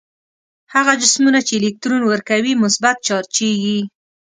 هغه جسمونه چې الکترون ورکوي مثبت چارجیږي.